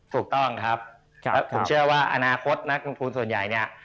ถูกต้องครับแล้วผมเชื่อว่าอนาคตนักลงทุนส่วนใหญ่เนี่ย